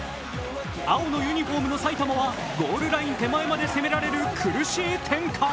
青のユニフォーム・埼玉はゴールライン手前まで攻められる苦しい展開。